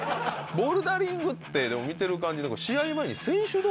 ボルダリングって見てる感じ。